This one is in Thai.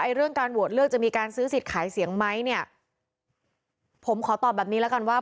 เรื่องการโหวตเลือกจะมีการซื้อสิทธิ์ขายเสียงไหมเนี่ยผมขอตอบแบบนี้แล้วกันว่า